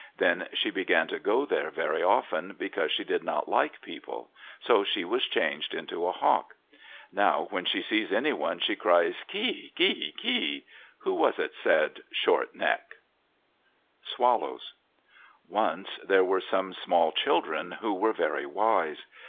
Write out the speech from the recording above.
Then she began to go there very often because she did not like people, so she was changed into a hawk. Now, when she sees any one, she cries, "Kea, kea, kea—who, who was it said 'short neck'?" Swallows.—Once there were some small children, who were very wise.